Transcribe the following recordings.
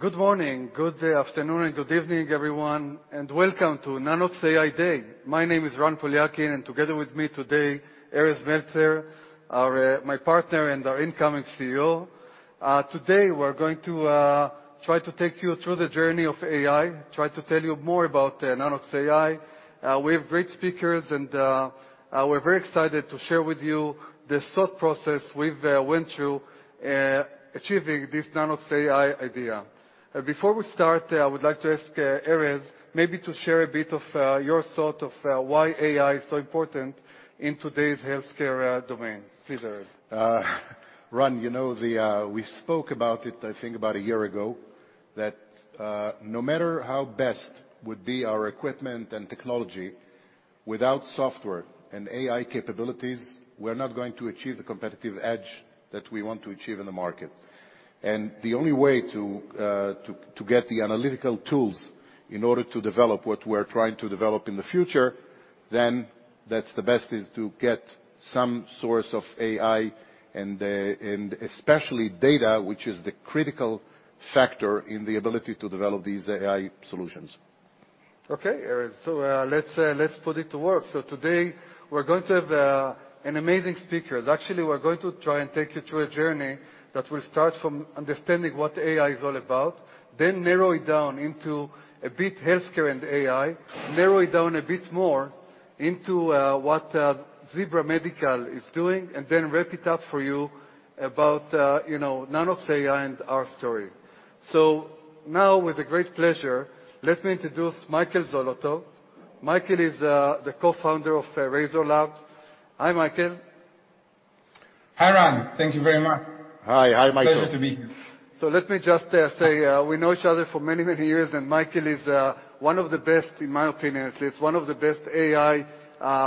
Good morning, good afternoon, and good evening, everyone, and welcome to Nanox AI Day. My name is Ran Poliakine, and together with me today, Erez Meltzer, our my partner and our incoming CEO. Today we're going to try to take you through the journey of AI, try to tell you more about Nanox AI. We have great speakers, and we're very excited to share with you the thought process we've went through achieving this Nanox AI idea. Before we start, I would like to ask Erez maybe to share a bit of your thought of why AI is so important in today's healthcare domain. Please, Erez. Ran, you know, we spoke about it, I think about a year ago, that no matter how best would be our equipment and technology, without software and AI capabilities, we're not going to achieve the competitive edge that we want to achieve in the market. The only way to get the analytical tools in order to develop what we're trying to develop in the future, then that's the best is to get some source of AI and especially data, which is the critical factor in the ability to develop these AI solutions. Okay, Erez. Let's put it to work. Today we're going to have an amazing speaker. Actually, we're going to try and take you through a journey that will start from understanding what AI is all about, then narrow it down into a bit healthcare and AI, narrow it down a bit more into what Zebra Medical is doing, and then wrap it up for you about, you know, Nanox.AI and our story. Now with a great pleasure, let me introduce Michael Zolotov. Michael is the co-founder of Razor Labs. Hi, Michael. Hi, Ran. Thank you very much. Hi. Hi, Michael. Pleasure to be here. Let me just say we know each other for many, many years, and Michael is one of the best, in my opinion at least, one of the best AI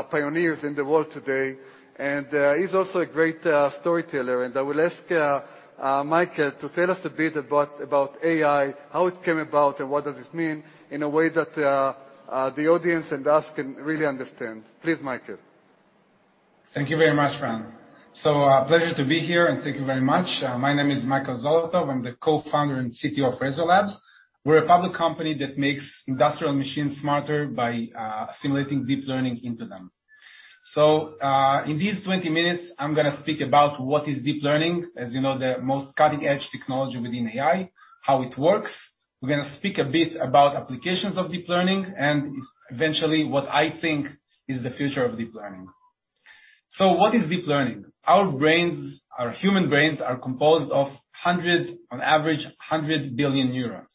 pioneers in the world today. He's also a great storyteller. I will ask Michael to tell us a bit about AI, how it came about, and what does it mean in a way that the audience and us can really understand. Please, Michael. Thank you very much, Ran. Pleasure to be here, and thank you very much. My name is Michael Zolotov. I'm the Co-Founder and CTO of Razor Labs. We're a public company that makes industrial machines smarter by assimilating deep learning into them. In these 20 minutes, I'm gonna speak about what is deep learning, as you know, the most cutting edge technology within AI, how it works. We're gonna speak a bit about applications of deep learning and eventually what I think is the future of deep learning. What is deep learning? Our brains, our human brains are composed of, on average, 100 billion neurons.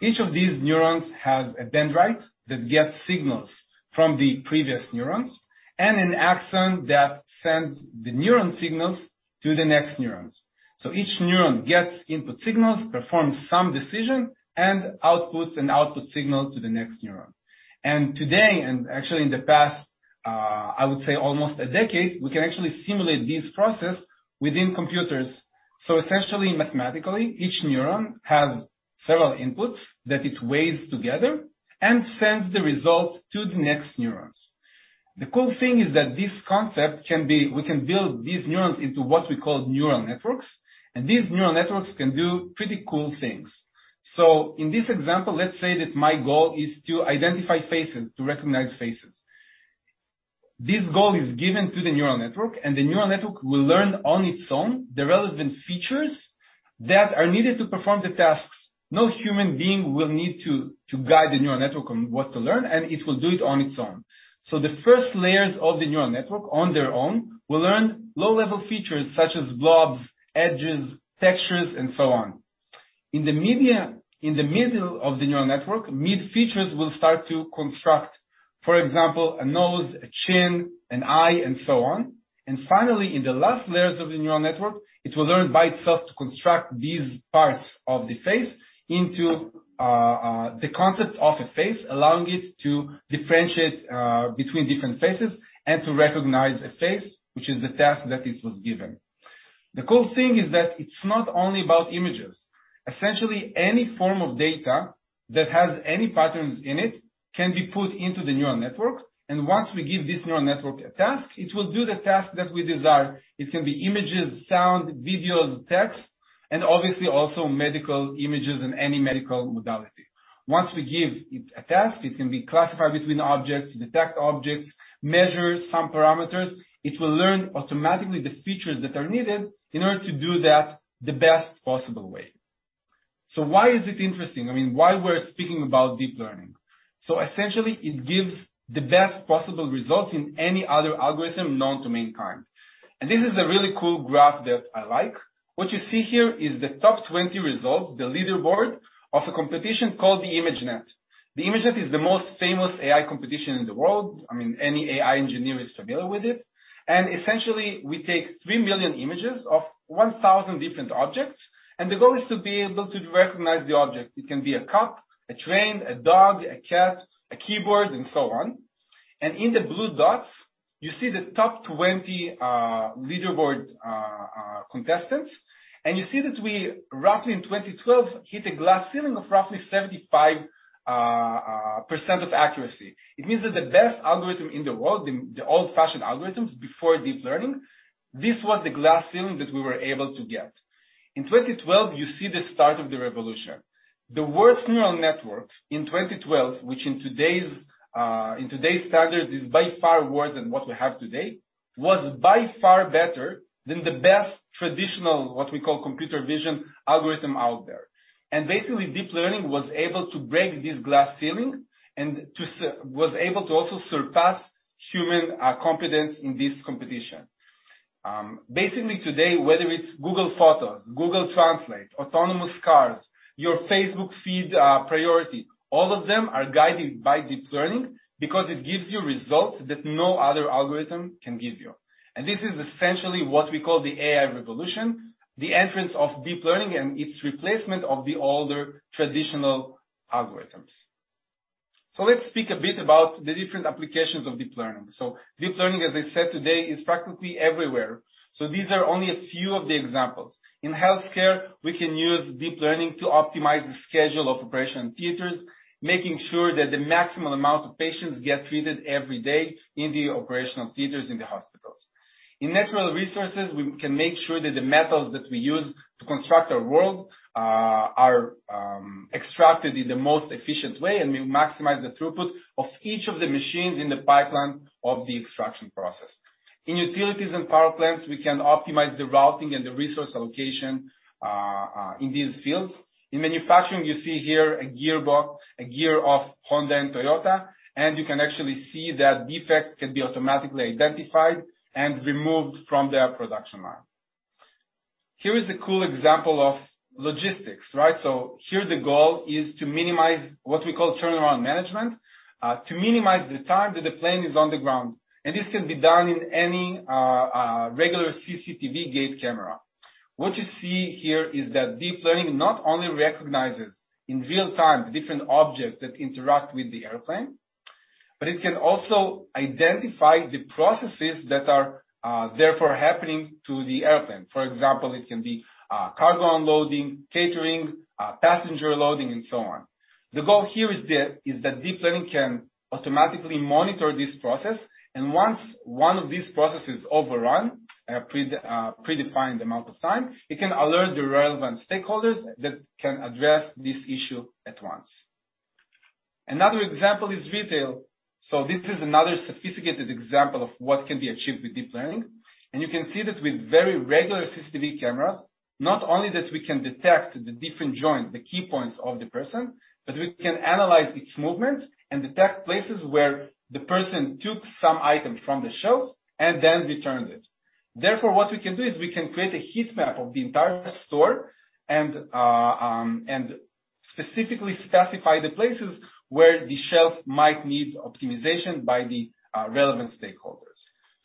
Each of these neurons has a dendrite that gets signals from the previous neurons and an axon that sends the neuron signals to the next neurons. Each neuron gets input signals, performs some decision, and outputs an output signal to the next neuron. Today, and actually in the past, I would say almost a decade, we can actually simulate this process within computers. Essentially, mathematically, each neuron has several inputs that it weighs together and sends the result to the next neurons. The cool thing is we can build these neurons into what we call neural networks, and these neural networks can do pretty cool things. In this example, let's say that my goal is to identify faces, to recognize faces. This goal is given to the neural network, and the neural network will learn on its own the relevant features that are needed to perform the tasks. No human being will need to guide the neural network on what to learn, and it will do it on its own. The first layers of the neural network on their own will learn low-level features such as blobs, edges, textures, and so on. In the middle of the neural network, mid-features will start to construct, for example, a nose, a chin, an eye, and so on. Finally, in the last layers of the neural network, it will learn by itself to construct these parts of the face into the concept of a face, allowing it to differentiate between different faces and to recognize a face, which is the task that it was given. The cool thing is that it's not only about images. Essentially, any form of data that has any patterns in it can be put into the neural network, and once we give this neural network a task, it will do the task that we desire. It can be images, sound, videos, text, and obviously also medical images in any medical modality. Once we give it a task, it can be classified between objects, detect objects, measure some parameters. It will learn automatically the features that are needed in order to do that the best possible way. Why is it interesting? I mean, why we're speaking about deep learning? Essentially it gives the best possible results in any other algorithm known to mankind. This is a really cool graph that I like. What you see here is the top 20 results, the leaderboard of a competition called ImageNet. The ImageNet is the most famous AI competition in the world. I mean, any AI engineer is familiar with it. Essentially, we take three million images of 1,000 different objects, and the goal is to be able to recognize the object. It can be a cup, a train, a dog, a cat, a keyboard, and so on. In the blue dots, you see the top 20 leaderboard contestants. You see that we roughly in 2012 hit a glass ceiling of roughly 75% of accuracy. It means that the best algorithm in the world, the old-fashioned algorithms before deep learning, this was the glass ceiling that we were able to get. In 2012, you see the start of the revolution. The worst neural network in 2012, which in today's standards, is by far worse than what we have today, was by far better than the best traditional, what we call computer vision algorithm out there. Basically, deep learning was able to break this glass ceiling and was able to also surpass human competence in this competition. Basically today, whether it's Google Photos, Google Translate, autonomous cars, your Facebook feed, Siri, all of them are guided by deep learning because it gives you results that no other algorithm can give you. This is essentially what we call the AI revolution, the entrance of deep learning and its replacement of the older traditional algorithms. Let's speak a bit about the different applications of deep learning. Deep learning, as I said, today, is practically everywhere. These are only a few of the examples. In healthcare, we can use deep learning to optimize the schedule of operation theaters, making sure that the maximum amount of patients get treated every day in the operational theaters in the hospitals. In natural resources, we can make sure that the methods that we use to construct our world are extracted in the most efficient way, and we maximize the throughput of each of the machines in the pipeline of the extraction process. In utilities and power plants, we can optimize the routing and the resource allocation in these fields. In manufacturing, you see here a gearbox, a gear of Honda and Toyota, and you can actually see that defects can be automatically identified and removed from their production line. Here is a cool example of logistics, right? Here the goal is to minimize what we call turnaround management, to minimize the time that the plane is on the ground. This can be done in any regular CCTV gate camera. What you see here is that deep learning not only recognizes in real time the different objects that interact with the airplane, but it can also identify the processes that are therefore happening to the airplane. For example, it can be cargo unloading, catering, passenger loading, and so on. The goal here is that deep learning can automatically monitor this process, and once one of these processes overrun a predefined amount of time, it can alert the relevant stakeholders that can address this issue at once. Another example is retail. This is another sophisticated example of what can be achieved with deep learning, and you can see that with very regular CCTV cameras, not only that we can detect the different joints, the key points of the person, but we can analyze its movements and detect places where the person took some item from the shelf and then returned it. Therefore, what we can do is we can create a heat map of the entire store and specifically specify the places where the shelf might need optimization by the relevant stakeholders.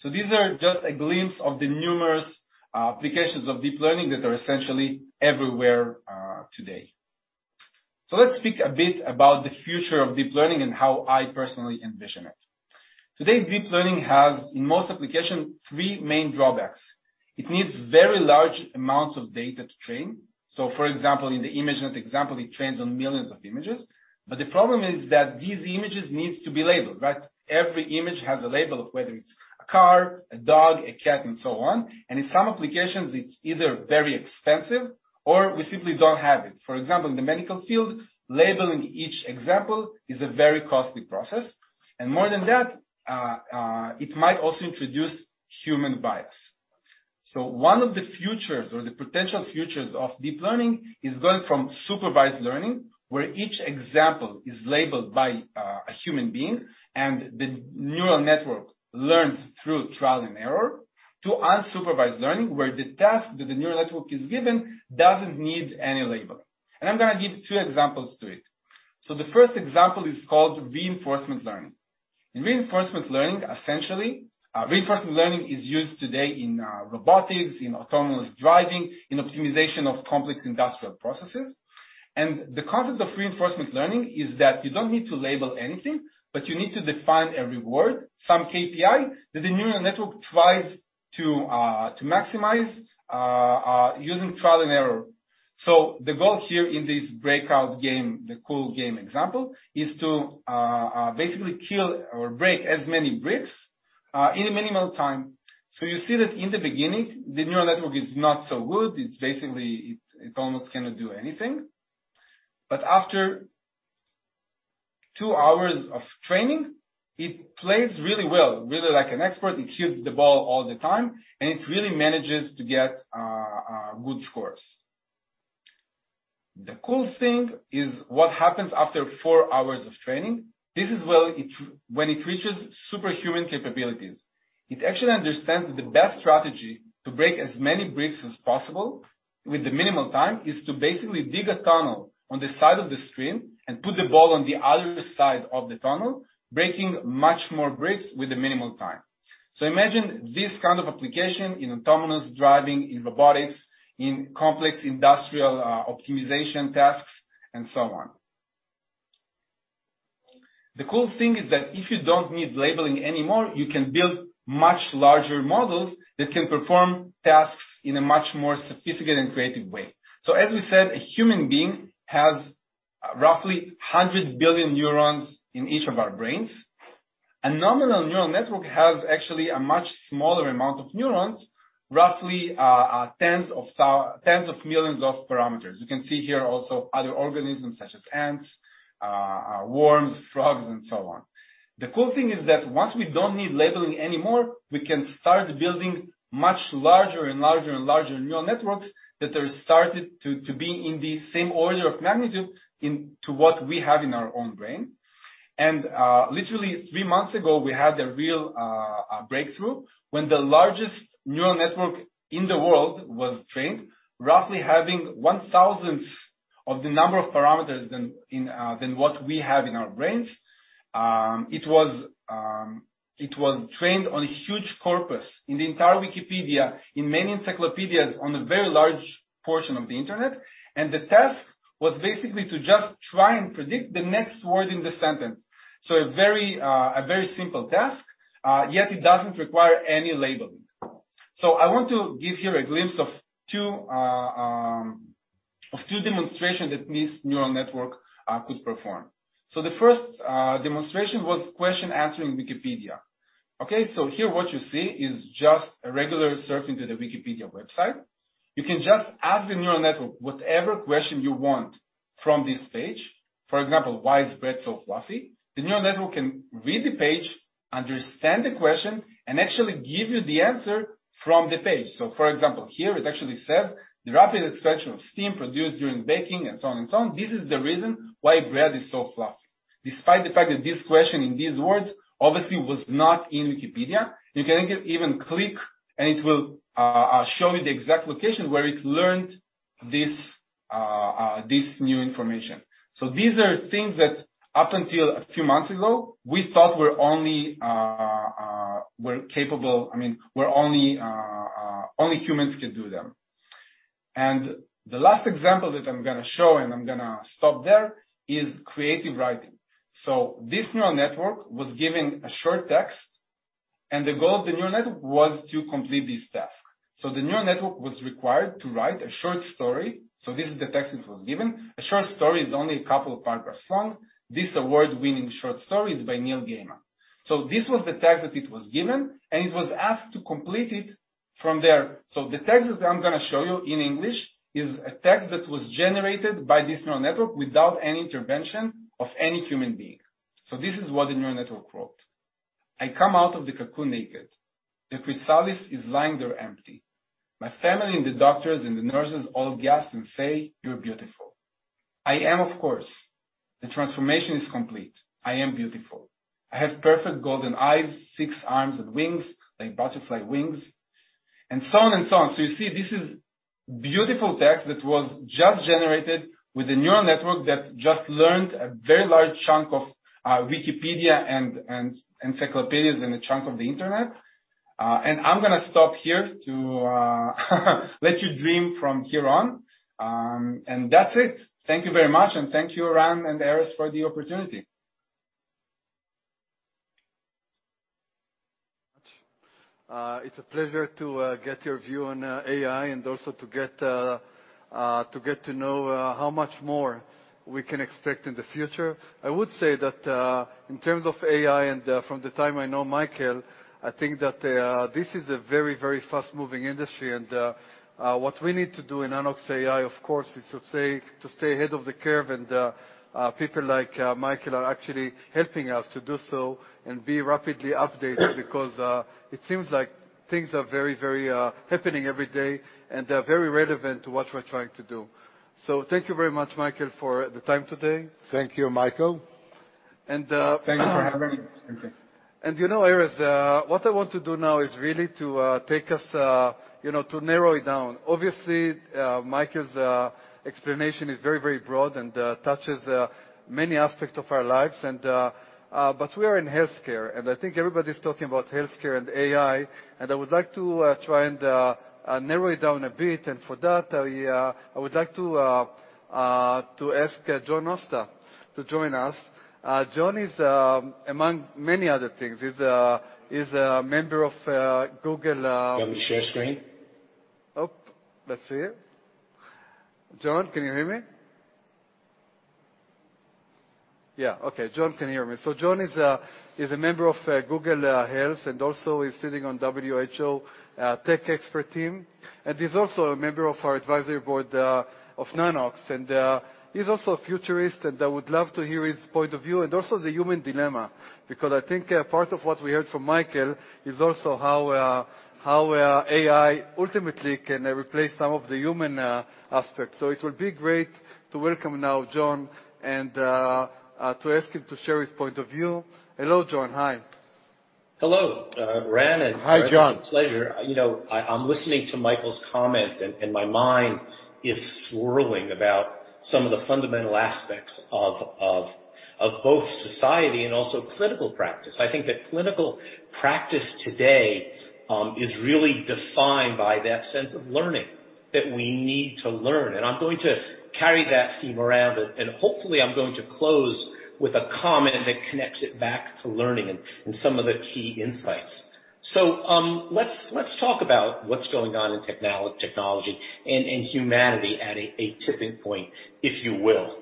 These are just a glimpse of the numerous applications of deep learning that are essentially everywhere today. Let's speak a bit about the future of deep learning and how I personally envision it. Today, deep learning has, in most applications, three main drawbacks. It needs very large amounts of data to train. For example, in the ImageNet example, it trains on millions of images. The problem is that these images needs to be labeled, right? Every image has a label of whether it's a car, a dog, a cat, and so on. In some applications, it's either very expensive or we simply don't have it. For example, in the medical field, labeling each example is a very costly process. More than that, it might also introduce human bias. One of the futures or the potential futures of deep learning is going from supervised learning, where each example is labeled by a human being, and the neural network learns through trial and error, to unsupervised learning, where the task that the neural network is given doesn't need any labeling. I'm gonna give two examples to it. The first example is called reinforcement learning. In reinforcement learning, reinforcement learning is used today in robotics, in autonomous driving, in optimization of complex industrial processes. The concept of reinforcement learning is that you don't need to label anything, but you need to define a reward, some KPI that the neural network tries to maximize using trial and error. The goal here in this breakout game, the cool game example, is to basically kill or break as many bricks in a minimal time. You see that in the beginning, the neural network is not so good. It's basically it almost cannot do anything. After two hours of training, it plays really well, really like an expert. It hits the ball all the time, and it really manages to get good scores. The cool thing is what happens after four hours of training. This is where, when it reaches superhuman capabilities. It actually understands that the best strategy to break as many bricks as possible with the minimal time is to basically dig a tunnel on the side of the screen and put the ball on the other side of the tunnel, breaking much more bricks with the minimal time. Imagine this kind of application in autonomous driving, in robotics, in complex industrial optimization tasks, and so on. The cool thing is that if you don't need labeling anymore, you can build much larger models that can perform tasks in a much more sophisticated and creative way. A human being has roughly 100 billion neurons in each of our brains. A nominal neural network has actually a much smaller amount of neurons, roughly, tens of millions of parameters. You can see here also other organisms such as ants, worms, frogs, and so on. The cool thing is that once we don't need labeling anymore, we can start building much larger neural networks that are starting to be in the same order of magnitude to what we have in our own brain. Literally three months ago, we had a real breakthrough when the largest neural network in the world was trained, roughly having one-thousandth of the number of parameters than in, than what we have in our brains. It was trained on a huge corpus in the entire Wikipedia, in many encyclopedias on a very large portion of the Internet. The task was basically to just try and predict the next word in the sentence. A very simple task, yet it doesn't require any labeling. I want to give here a glimpse of two demonstrations that this neural network could perform. The first demonstration was question answering Wikipedia, okay. Here what you see is just a regular surfing to the Wikipedia website. You can just ask the neural network whatever question you want from this page. For example, why is bread so fluffy? The neural network can read the page, understand the question, and actually give you the answer from the page. For example, here it actually says, "The rapid expansion of steam produced during baking." and so on and so on. This is the reason why bread is so fluffy. Despite the fact that this question in these words obviously was not in Wikipedia, you can even click, and it will show you the exact location where it learned this new information. These are things that up until a few months ago, we thought, I mean, only humans could do them. The last example that I'm gonna show, and I'm gonna stop there, is creative writing. This neural network was given a short text, and the goal of the neural network was to complete this task. The neural network was required to write a short story, so this is the text it was given. A short story is only a couple of paragraphs long. This award-winning short story is by Neil Gaiman. This was the text that it was given, and it was asked to complete it from there. The text that I'm gonna show you in English is a text that was generated by this neural network without any intervention of any human being. This is what the neural network wrote: "I come out of the cocoon naked. The chrysalis is lying there empty. My family and the doctors and the nurses all gasp and say, "You're beautiful." I am, of course. The transformation is complete. I am beautiful. I have perfect golden eyes, six arms and wings, like butterfly wings." and so on and so on. You see, this is beautiful text that was just generated with a neural network that just learned a very large chunk of Wikipedia and encyclopedias and a chunk of the Internet. I'm gonna stop here to let you dream from here on. That's it. Thank you very much, and thank you, Ran and Erez, for the opportunity. It's a pleasure to get your view on AI and also to get to know how much more we can expect in the future. I would say that in terms of AI and from the time I know Michael, I think that this is a very, very fast-moving industry and what we need to do in Nanox.AI, of course, is to stay ahead of the curve and people like Michael are actually helping us to do so and be rapidly updated because it seems like things are very, very happening every day and very relevant to what we're trying to do. Thank you very much, Michael, for the time today. Thank you, Michael. Thanks for having me. You know, Erez, what I want to do now is really to take us, you know, to narrow it down. Obviously, Michael's explanation is very, very broad and touches many aspects of our lives and. We are in healthcare, and I think everybody's talking about healthcare and AI, and I would like to try and narrow it down a bit. For that, I would like to ask John Nosta to join us. John is, among many other things, a member of Google. You want me to share screen? Oh, let's see. John, can you hear me? Yeah, okay. John can hear me. John is a member of Google Health and also is sitting on WHO tech expert team, and he's also a member of our advisory board of Nanox. He's also a futurist, and I would love to hear his point of view and also the human dilemma, because I think part of what we heard from Michael is also how AI ultimately can replace some of the human aspects. It will be great to welcome now John and to ask him to share his point of view. Hello, John. Hi. Hello, Ran and Erez. Hi, John. It's a pleasure. You know, I'm listening to Michael's comments and my mind is swirling about some of the fundamental aspects of both society and also clinical practice. I think that clinical practice today is really defined by that sense of learning that we need to learn, and I'm going to carry that theme around and hopefully I'm going to close with a comment that connects it back to learning and some of the key insights. Let's talk about what's going on in technology and humanity at a tipping point, if you will.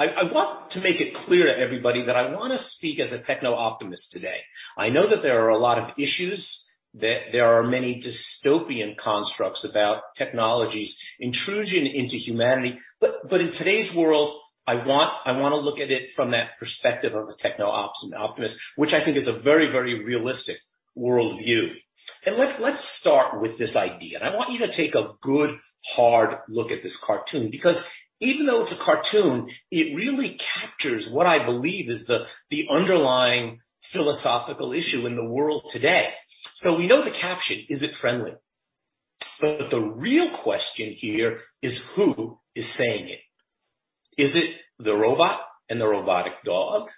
I want to make it clear to everybody that I wanna speak as a techno-optimist today. I know that there are a lot of issues, that there are many dystopian constructs about technology's intrusion into humanity. In today's world, I wanna look at it from that perspective of a techno-optimist, which I think is a very, very realistic world view. Let's start with this idea, and I want you to take a good, hard look at this cartoon because even though it's a cartoon, it really captures what I believe is the underlying philosophical issue in the world today. We know the caption, "Is it friendly?" The real question here is who is saying it? Is it the robot and the robotic dog?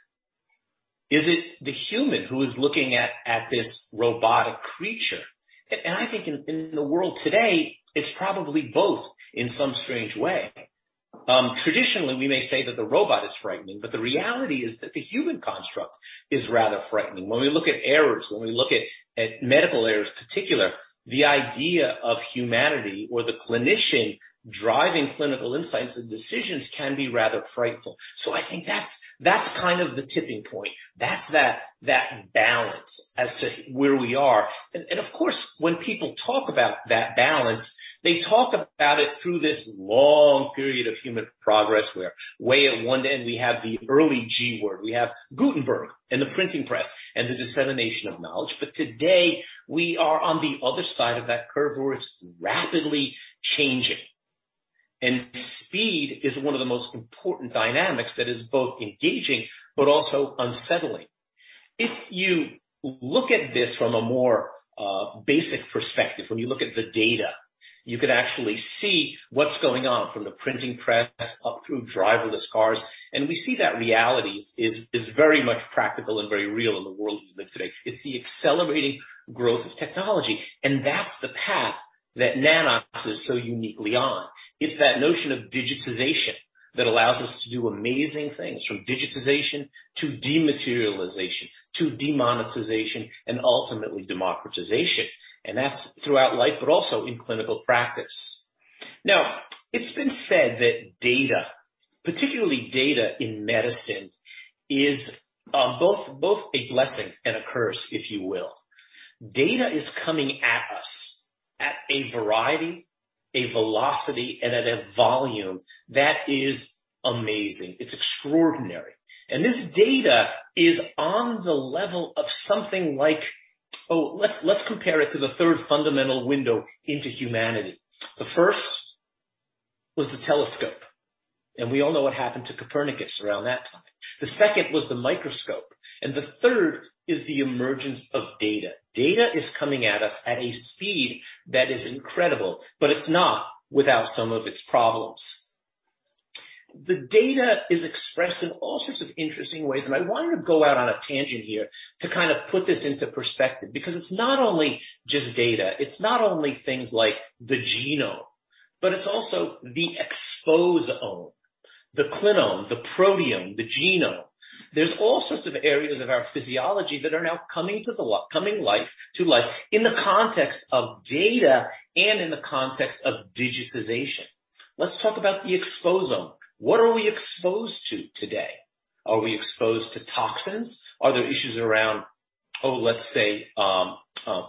Is it the human who is looking at this robotic creature? I think in the world today, it's probably both in some strange way. Traditionally, we may say that the robot is frightening, but the reality is that the human construct is rather frightening. When we look at errors, particularly medical errors, the idea of humanity or the clinician driving clinical insights and decisions can be rather frightful. I think that's kind of the tipping point. That's the balance as to where we are. Of course, when people talk about that balance, they talk about it through this long period of human progress where, way at one end, we have the early G word. We have Gutenberg and the printing press and the dissemination of knowledge. Today we are on the other side of that curve where it's rapidly changing. Speed is one of the most important dynamics that is both engaging but also unsettling. If you look at this from a more basic perspective, when you look at the data, you can actually see what's going on from the printing press up through driverless cars, and we see that reality is very much practical and very real in the world we live today. It's the accelerating growth of technology, and that's the path that Nanox is so uniquely on. It's that notion of digitization that allows us to do amazing things from digitization to dematerialization to demonetization and ultimately democratization. That's throughout life, but also in clinical practice. Now it's been said that data, particularly data in medicine, is both a blessing and a curse, if you will. Data is coming at us at a variety, a velocity, and at a volume that is amazing. It's extraordinary. This data is on the level of something like. Oh, let's compare it to the third fundamental window into humanity. The first was the telescope, and we all know what happened to Copernicus around that time. The second was the microscope, and the third is the emergence of data. Data is coming at us at a speed that is incredible, but it's not without some of its problems. The data is expressed in all sorts of interesting ways, and I wanted to go out on a tangent here to kinda put this into perspective because it's not only just data, it's not only things like the genome, but it's also the exposome, the clinome, the proteome, the genome. There's all sorts of areas of our physiology that are now coming to life in the context of data and in the context of digitization. Let's talk about the exposome. What are we exposed to today? Are we exposed to toxins? Are there issues around, let's say,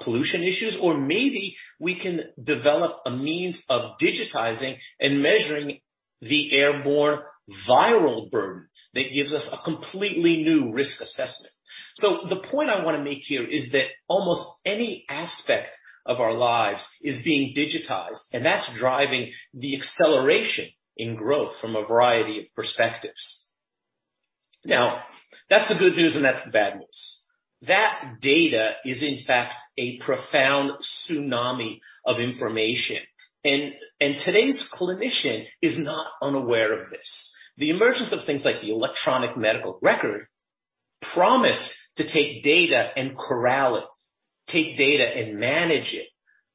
pollution issues? Or maybe we can develop a means of digitizing and measuring the airborne viral burden that gives us a completely new risk assessment. The point I wanna make here is that almost any aspect of our lives is being digitized, and that's driving the acceleration in growth from a variety of perspectives. Now that's the good news and that's the bad news. That data is in fact a profound tsunami of information, and today's clinician is not unaware of this. The emergence of things like the electronic medical record promise to take data and corral it, take data and manage it.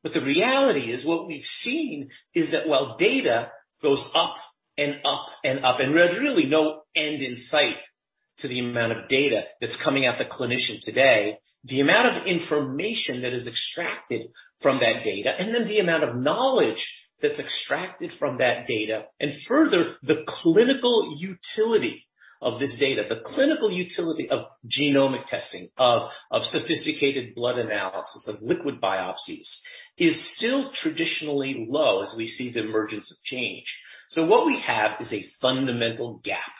The reality is what we've seen is that while data goes up and up and up, and there's really no end in sight to the amount of data that's coming at the clinician today. The amount of information that is extracted from that data and then the amount of knowledge that's extracted from that data and further, the clinical utility of this data, the clinical utility of genomic testing, of sophisticated blood analysis, of liquid biopsies, is still traditionally low as we see the emergence of change. What we have is a fundamental gap.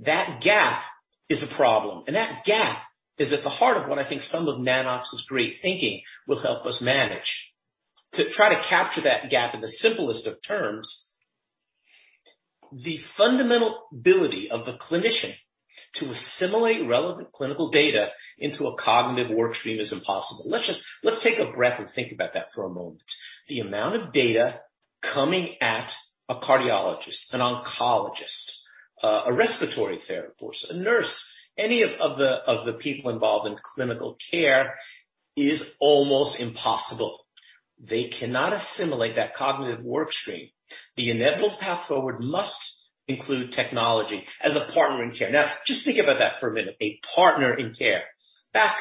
That gap is a problem, and that gap is at the heart of what I think some of Nanox's great thinking will help us manage. To try to capture that gap in the simplest of terms, the fundamental ability of the clinician to assimilate relevant clinical data into a cognitive workstream is impossible. Let's take a breath and think about that for a moment. The amount of data coming at a cardiologist, an oncologist, a respiratory therapist, a nurse, any of the people involved in clinical care is almost impossible. They cannot assimilate that cognitive workstream. The inevitable path forward must include technology as a partner in care. Now, just think about that for a minute, a partner in care. Back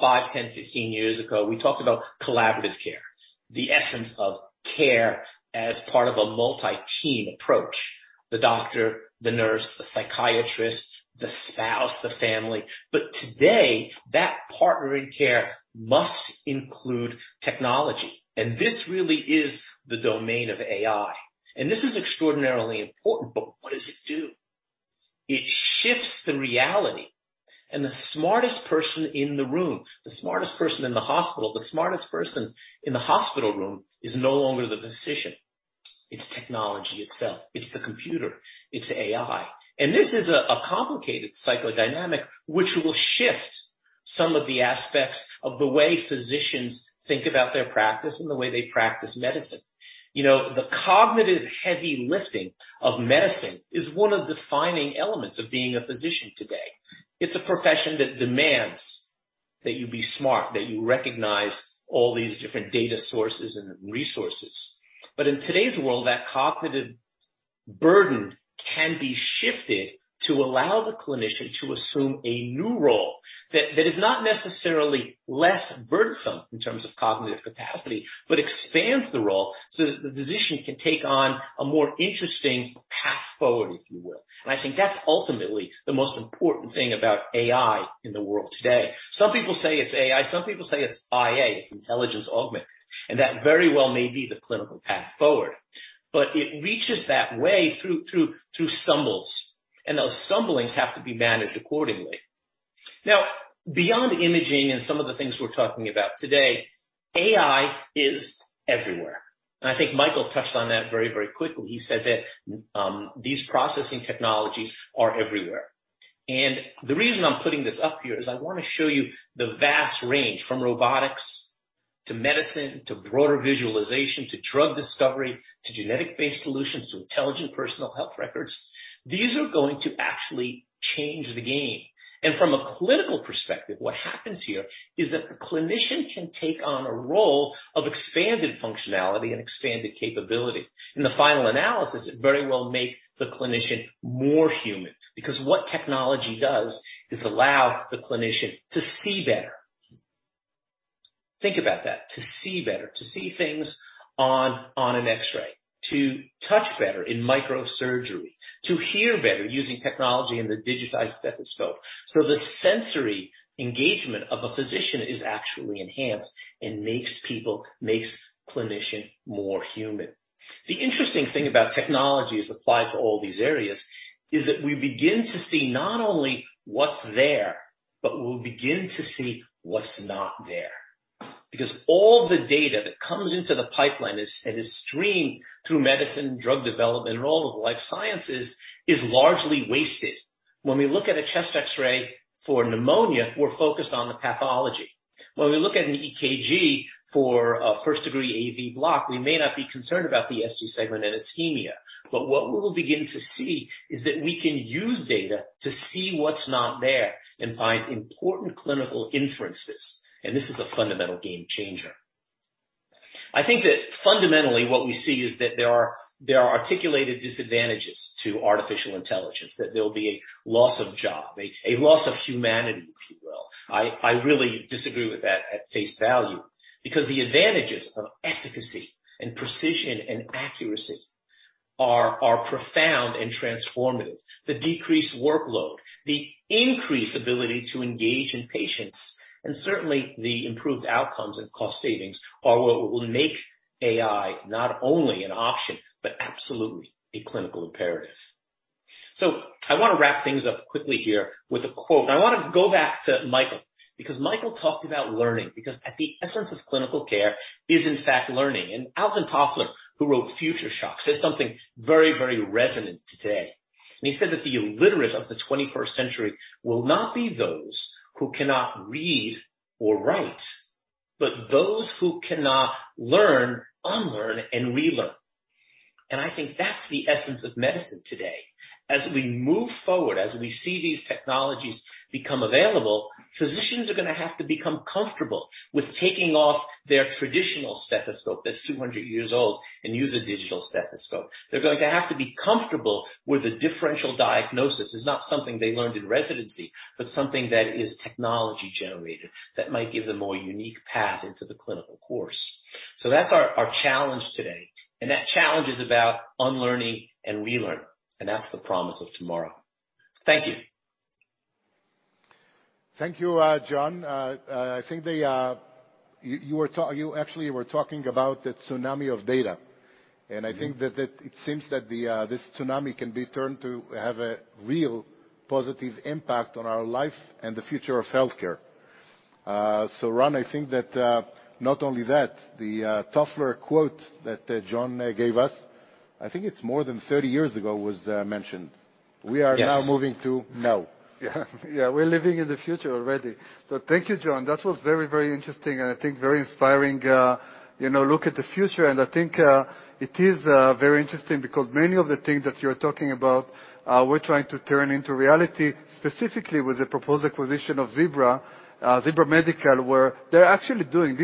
five, 10, 15 years ago, we talked about collaborative care, the essence of care as part of a multi-team approach. The doctor, the nurse, the psychiatrist, the spouse, the family. Today, that partner in care must include technology, and this really is the domain of AI. This is extraordinarily important, but what does it do? It shifts the reality. The smartest person in the room, the smartest person in the hospital, the smartest person in the hospital room, is no longer the physician. It's technology itself. It's the computer, it's AI. This is a complicated psychodynamic which will shift some of the aspects of the way physicians think about their practice and the way they practice medicine. You know, the cognitive heavy lifting of medicine is one of the defining elements of being a physician today. It's a profession that demands that you be smart, that you recognize all these different data sources and resources. In today's world, that cognitive burden can be shifted to allow the clinician to assume a new role that is not necessarily less burdensome in terms of cognitive capacity, but expands the role so that the physician can take on a more interesting path forward, if you will. I think that's ultimately the most important thing about AI in the world today. Some people say it's AI, some people say it's IA, it's intelligence augment, and that very well may be the clinical path forward. It reaches that way through stumbles, and those stumblings have to be managed accordingly. Now, beyond imaging and some of the things we're talking about today, AI is everywhere. I think Michael touched on that very, very quickly. He said that these processing technologies are everywhere. The reason I'm putting this up here is I wanna show you the vast range, from robotics to medicine, to broader visualization, to drug discovery, to genetic-based solutions, to intelligent personal health records. These are going to actually change the game. From a clinical perspective, what happens here is that the clinician can take on a role of expanded functionality and expanded capability. In the final analysis, it very well make the clinician more human, because what technology does is allow the clinician to see better. Think about that. To see better. To see things on an X-ray. To touch better in microsurgery. To hear better using technology in the digitized stethoscope. The sensory engagement of a physician is actually enhanced and makes clinician more human. The interesting thing about technology is applied to all these areas, is that we begin to see not only what's there, but we'll begin to see what's not there. Because all the data that comes into the pipeline is streamed through medicine, drug development, and all of the life sciences is largely wasted. When we look at a chest X-ray for pneumonia, we're focused on the pathology. When we look at an EKG for a first-degree AV block, we may not be concerned about the ST segment and ischemia. What we will begin to see is that we can use data to see what's not there and find important clinical inferences. This is a fundamental game changer. I think that fundamentally what we see is that there are articulated disadvantages to artificial intelligence. That there'll be a loss of job, a loss of humanity, if you will. I really disagree with that at face value, because the advantages of efficacy and precision and accuracy are profound and transformative. The decreased workload, the increased ability to engage in patients, and certainly the improved outcomes and cost savings are what will make AI not only an option, but absolutely a clinical imperative. I wanna wrap things up quickly here with a quote. I wanna go back to Michael, because Michael talked about learning, because at the essence of clinical care is in fact learning. Alvin Toffler, who wrote Future Shock, said something very, very resonant today. He said that the illiterate of the 21st century will not be those who cannot read or write, but those who cannot learn, unlearn and relearn. I think that's the essence of medicine today. As we move forward, as we see these technologies become available, physicians are gonna have to become comfortable with taking off their traditional stethoscope that's 200 years old and use a digital stethoscope. They're going to have to be comfortable with a differential diagnosis, is not something they learned in residency, but something that is technology-generated that might give them more unique path into the clinical course. So that's our challenge today. That challenge is about unlearning and relearning, and that's the promise of tomorrow. Thank you. Thank you, John. I think that you actually were talking about the tsunami of data. I think that it seems that this tsunami can be turned to have a real positive impact on our life and the future of healthcare. Ran, I think that not only that the Toffler quote that John gave us, I think it's more than 30 years ago, was mentioned. Yes. We are now moving to now. Yeah, we're living in the future already. Thank you, John. That was very, very interesting, and I think very inspiring. You know, look at the future, and I think it is very interesting because many of the things that you're talking about, we're trying to turn into reality, specifically with the proposed acquisition of Zebra Medical Vision, where they're actually doing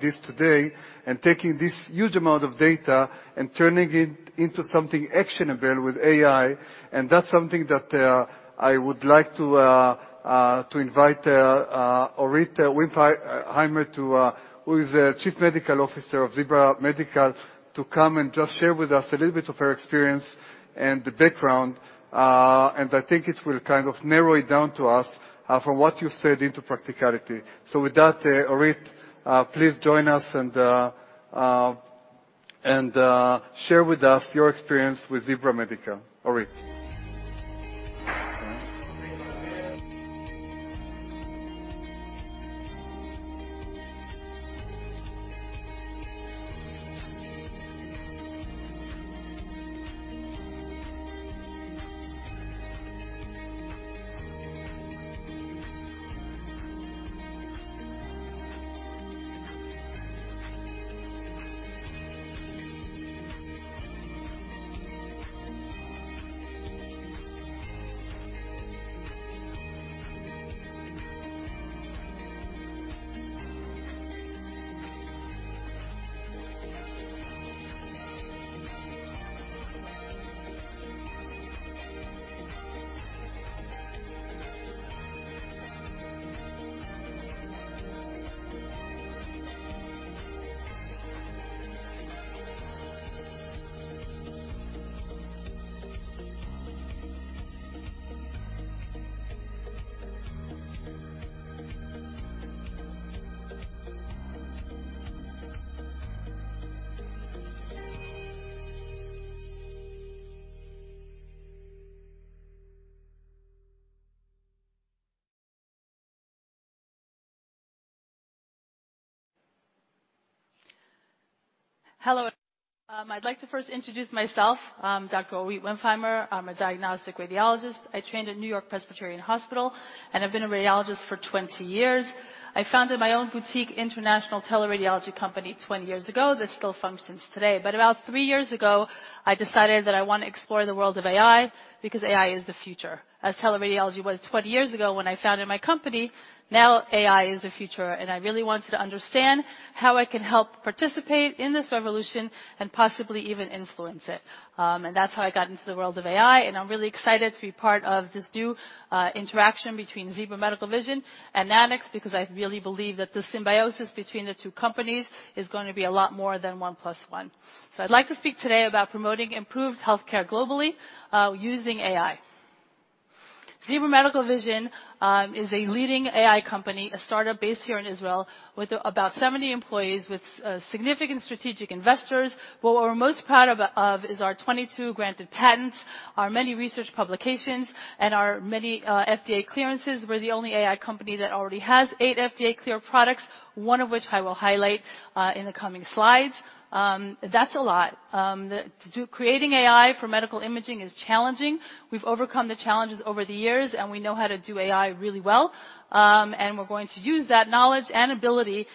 this today and taking this huge amount of data and turning it into something actionable with AI, and that's something that I would like to invite Orit Wimpfheimer, who is the Chief Medical Officer of Zebra Medical Vision, to come and just share with us a little bit of her experience and the background. I think it will kind of narrow it down to us from what you said into practicality. With that, Orit, please join us and share with us your experience with Zebra Medical. Orit. Hello. I'd like to first introduce myself. I'm Dr. Orit Wimpfheimer. I'm a diagnostic radiologist. I trained at NewYork-Presbyterian Hospital, and I've been a radiologist for 20 years. I founded my own boutique international teleradiology company 20 years ago that still functions today. About three years ago, I decided that I want to explore the world of AI because AI is the future. As teleradiology was 20 years ago when I founded my company, now AI is the future, and I really wanted to understand how I can help participate in this revolution and possibly even influence it. That's how I got into the world of AI, and I'm really excited to be part of this new interaction between Zebra Medical Vision and Nano-X Imaging, because I really believe that the symbiosis between the two companies is gonna be a lot more than one plus one. I'd like to speak today about promoting improved healthcare globally using AI. Zebra Medical Vision is a leading AI company, a startup based here in Israel with about 70 employees with significant strategic investors. What we're most proud of is our 22 granted patents, our many research publications, and our many FDA clearances. We're the only AI company that already has eight FDA-cleared products, one of which I will highlight in the coming slides. That's a lot. Creating AI for medical imaging is challenging. We've overcome the challenges over the years, and we know how to do AI really well. We're going to use that knowledge and ability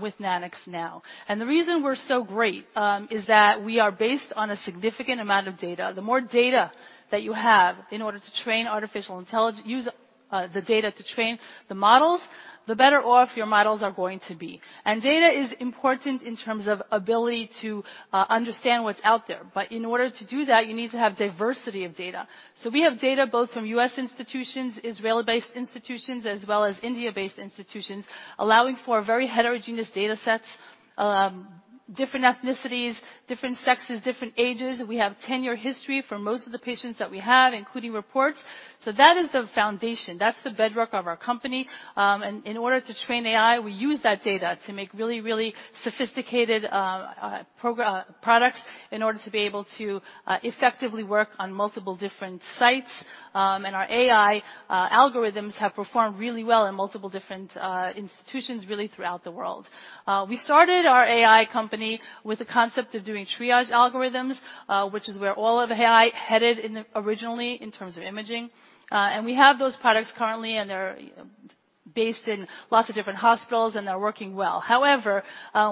with Nanox now. The reason we're so great is that we are based on a significant amount of data. The more data that you have in order to use the data to train the models, the better off your models are going to be. Data is important in terms of ability to understand what's out there. In order to do that, you need to have diversity of data. We have data both from U.S. institutions, Israel-based institutions, as well as India-based institutions, allowing for very heterogeneous datasets, different ethnicities, different sexes, different ages. We have 10-year history for most of the patients that we have, including reports. That is the foundation, that's the bedrock of our company. In order to train AI, we use that data to make really sophisticated products in order to be able to effectively work on multiple different sites. Our AI algorithms have performed really well in multiple different institutions, really throughout the world. We started our AI company with the concept of doing triage algorithms, which is where all of AI headed originally in terms of imaging. We have those products currently, and they're based in lots of different hospitals, and they're working well. However,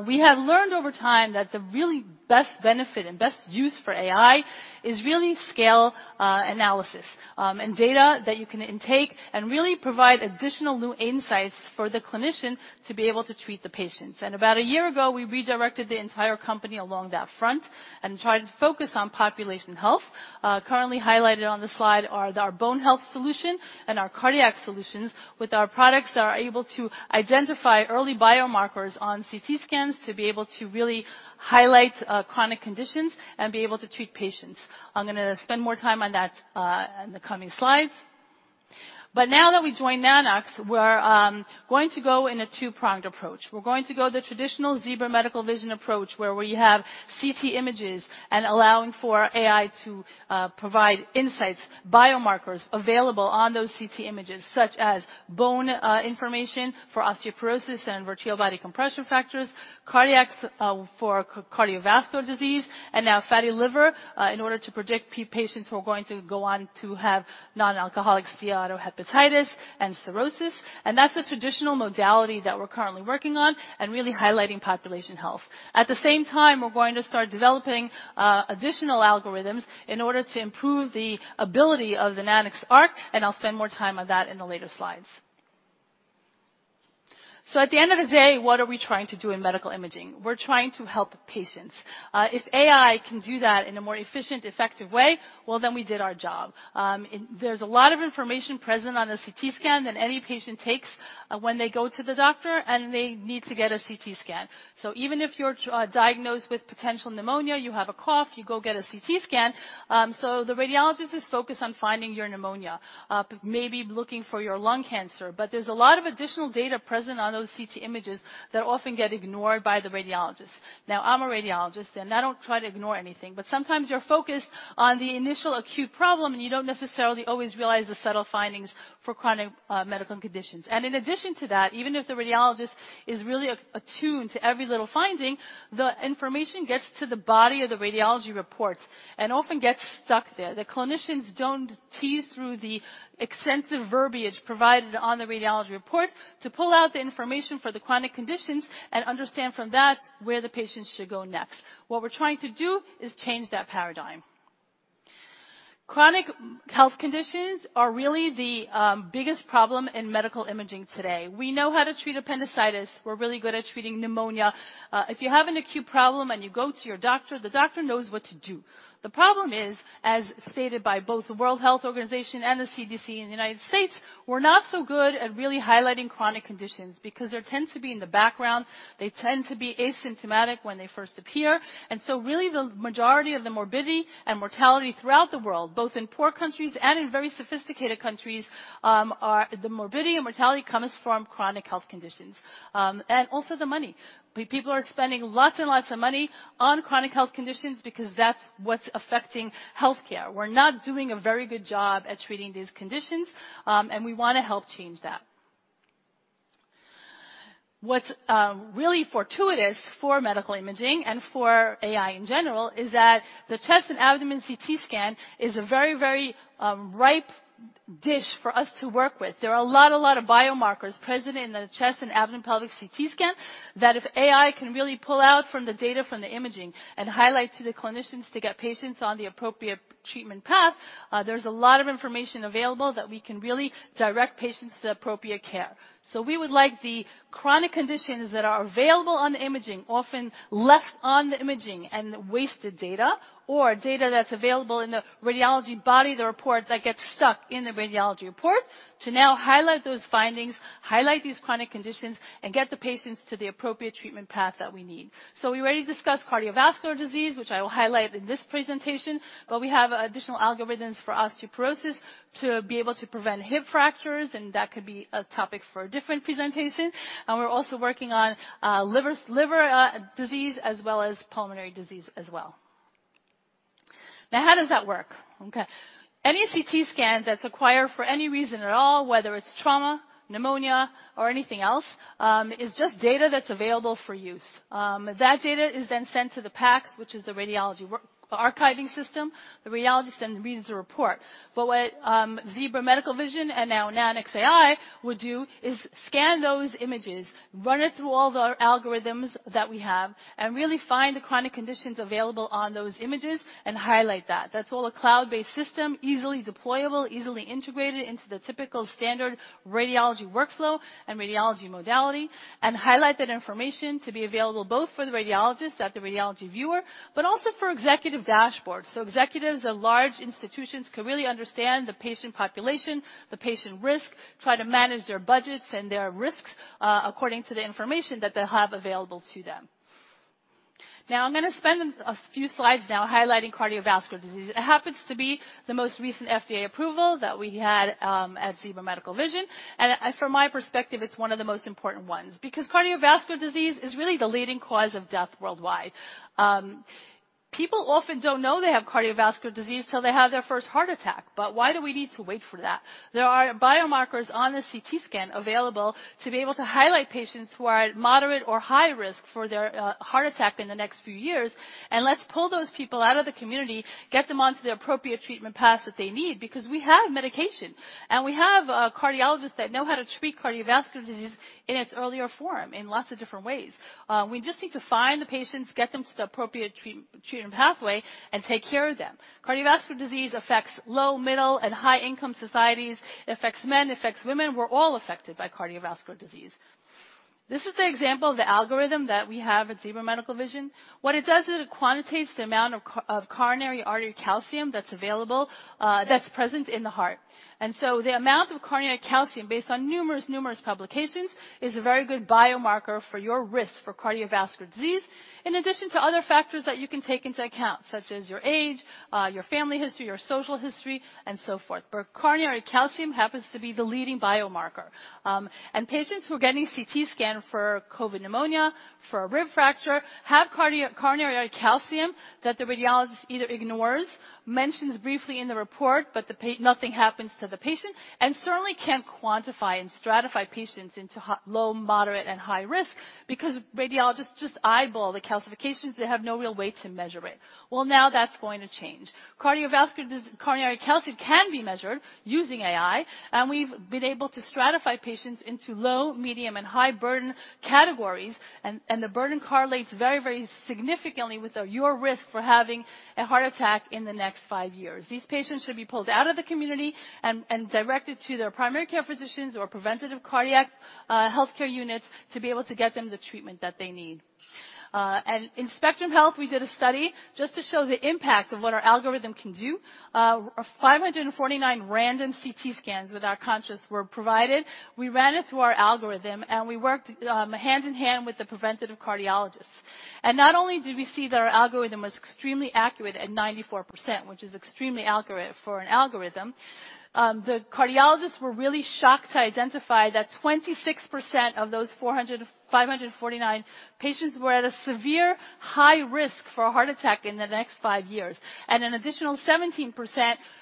we have learned over time that the really best benefit and best use for AI is really scale, analysis, and data that you can intake and really provide additional new insights for the clinician to be able to treat the patients. About a year ago, we redirected the entire company along that front and tried to focus on population health. Currently highlighted on the slide are our bone health solution and our cardiac solutions. With our products are able to identify early biomarkers on CT scans to be able to really highlight chronic conditions and be able to treat patients. I'm gonna spend more time on that in the coming slides. Now that we joined Nanox, we're going to go in a two-pronged approach. We're going to go the traditional Zebra Medical Vision approach, where we have CT images and allowing for AI to provide insights, biomarkers available on those CT images, such as bone information for osteoporosis and vertebral body compression fractures, cardiac for cardiovascular disease, and now fatty liver in order to predict patients who are going to go on to have nonalcoholic steatohepatitis and cirrhosis. That's the traditional modality that we're currently working on and really highlighting population health. At the same time, we're going to start developing additional algorithms in order to improve the ability of the Nanox.ARC, and I'll spend more time on that in the later slides. At the end of the day, what are we trying to do in medical imaging? We're trying to help patients. If AI can do that in a more efficient, effective way, well, then we did our job. There's a lot of information present on a CT scan that any patient takes when they go to the doctor and they need to get a CT scan. Even if you're diagnosed with potential pneumonia, you have a cough, you go get a CT scan. The radiologist is focused on finding your pneumonia, maybe looking for your lung cancer. There's a lot of additional data present on those CT images that often get ignored by the radiologist. Now, I'm a radiologist, and I don't try to ignore anything, but sometimes you're focused on the initial acute problem, and you don't necessarily always realize the subtle findings for chronic medical conditions. In addition to that, even if the radiologist is really attuned to every little finding, the information gets to the body of the radiology report and often gets stuck there. The clinicians don't tease through the extensive verbiage provided on the radiology report to pull out the information for the chronic conditions and understand from that where the patient should go next. What we're trying to do is change that paradigm. Chronic health conditions are really the biggest problem in medical imaging today. We know how to treat appendicitis. We're really good at treating pneumonia. If you have an acute problem and you go to your doctor, the doctor knows what to do. The problem is, as stated by both the World Health Organization and the CDC in the United States, we're not so good at really highlighting chronic conditions because they tend to be in the background. They tend to be asymptomatic when they first appear. Really the majority of the morbidity and mortality throughout the world, both in poor countries and in very sophisticated countries, comes from chronic health conditions. And also the money. People are spending lots and lots of money on chronic health conditions because that's what's affecting healthcare. We're not doing a very good job at treating these conditions, and we wanna help change that. What's really fortuitous for medical imaging and for AI in general is that the chest and abdomen CT scan is a very, very, ripe dish for us to work with. There are a lot of biomarkers present in the chest and abdomen pelvic CT scan that, if AI can really pull out from the data from the imaging and highlight to the clinicians to get patients on the appropriate treatment path, there's a lot of information available that we can really direct patients to appropriate care. We would like the chronic conditions that are available on the imaging, often left on the imaging and wasted data or data that's available in the radiology body, the report that gets stuck in the radiology report, to now highlight those findings, highlight these chronic conditions, and get the patients to the appropriate treatment path that we need. We already discussed cardiovascular disease, which I will highlight in this presentation, but we have additional algorithms for osteoporosis to be able to prevent hip fractures, and that could be a topic for a different presentation. We're also working on liver disease as well as pulmonary disease as well. Now, how does that work? Okay. Any CT scan that's acquired for any reason at all, whether it's trauma, pneumonia, or anything else, is just data that's available for use. That data is then sent to the PACS, which is the radiology workflow archiving system. The radiologist then reads the report. What Zebra Medical Vision and now Nanox AI would do is scan those images, run it through all the algorithms that we have, and really find the chronic conditions available on those images and highlight that. That's all a cloud-based system, easily deployable, easily integrated into the typical standard radiology workflow and radiology modality, and highlight that information to be available both for the radiologist at the radiology viewer, but also for executive dashboards. Executives of large institutions can really understand the patient population, the patient risk, try to manage their budgets and their risks, according to the information that they have available to them. Now, I'm gonna spend a few slides now highlighting cardiovascular disease. It happens to be the most recent FDA approval that we had, at Zebra Medical Vision. From my perspective, it's one of the most important ones because cardiovascular disease is really the leading cause of death worldwide. People often don't know they have cardiovascular disease till they have their first heart attack, but why do we need to wait for that? There are biomarkers on the CT scan available to be able to highlight patients who are at moderate or high risk for their heart attack in the next few years, and let's pull those people out of the community, get them onto the appropriate treatment path that they need because we have medication, and we have cardiologists that know how to treat cardiovascular disease in its earlier form in lots of different ways. We just need to find the patients, get them to the appropriate treatment pathway, and take care of them. Cardiovascular disease affects low, middle, and high-income societies. It affects men, it affects women. We're all affected by cardiovascular disease. This is the example of the algorithm that we have at Zebra Medical Vision. What it does is it quantitates the amount of coronary artery calcium that's available, that's present in the heart. The amount of coronary calcium, based on numerous publications, is a very good biomarker for your risk for cardiovascular disease. In addition to other factors that you can take into account, such as your age, your family history, your social history, and so forth. Coronary calcium happens to be the leading biomarker. Patients who are getting CT scan for COVID pneumonia, for a rib fracture, have coronary calcium that the radiologist either ignores, mentions briefly in the report, but nothing happens to the patient, and certainly can't quantify and stratify patients into low, moderate, and high risk because radiologists just eyeball the calcifications. They have no real way to measure it. Now that's going to change. Coronary calcium can be measured using AI, and we've been able to stratify patients into low, medium, and high burden categories, and the burden correlates very, very significantly with your risk for having a heart attack in the next five years. These patients should be pulled out of the community and directed to their primary care physicians or preventive cardiac healthcare units to be able to get them the treatment that they need. In Spectrum Health, we did a study just to show the impact of what our algorithm can do. 549 random CT scans with non-contrast were provided. We ran it through our algorithm, and we worked hand in hand with the preventive cardiologists. Not only did we see that our algorithm was extremely accurate at 94%, which is extremely accurate for an algorithm, the cardiologists were really shocked to identify that 26% of those 449 patients were at a severe high risk for a heart attack in the next five years, and an additional 17%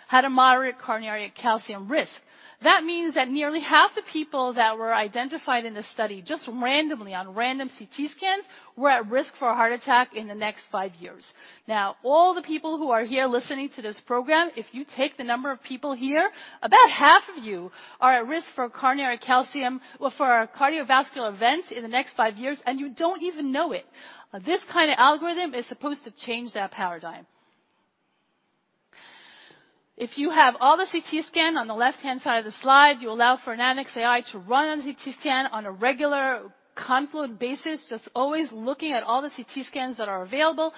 had a moderate coronary calcium risk. That means that nearly half the people that were identified in this study, just randomly on random CT scans, were at risk for a heart attack in the next five years. Now, all the people who are here listening to this program, if you take the number of people here, about half of you are at risk for coronary calcium or for cardiovascular events in the next five years, and you don't even know it. This kind of algorithm is supposed to change that paradigm. If you have all the CT scan on the left-hand side of the slide, you allow for a Nanox.AI to run on the CT scan on a regular confluent basis, just always looking at all the CT scans that are available,